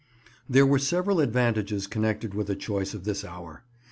There were several advantages connected with a choice of this hour.